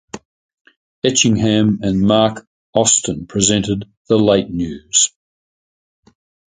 Etchingham and Mark Austin presented "The Late News".